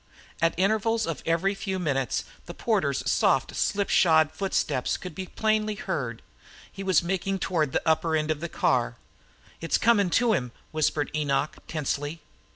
At intervals of every few moments the porter's soft slipshod footsteps could be plainly heard. He was making toward the upper end of the car. "It's comin' to him," whispered Enoch, tensely.